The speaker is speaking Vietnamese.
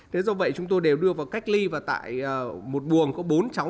thế do vậy chúng tôi đều đưa vào cách ly và tại một buồng có bốn cháu